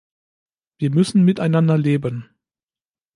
Wir müssen miteinander leben.